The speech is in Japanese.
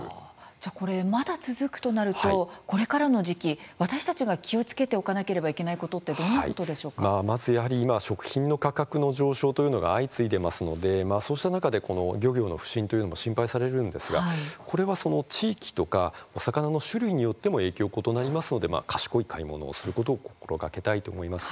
じゃあ、まだ続くとなるとこれからの時期、私たちが気をつけておかなければいかないことってまず、やはり今食品の価格の上昇というのが相次いでいますのでそうした中で漁業の不振というのも心配されるんですがこれはその地域とかお魚の種類によっても影響が異なりますので賢い買い物をすることを心がけたいと思います。